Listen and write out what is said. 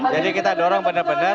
jadi kita dorong benar benar